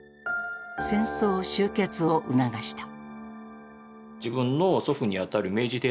戦争終結を促した。